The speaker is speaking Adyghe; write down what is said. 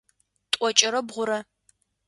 Тӏокӏырэ бгъурэ.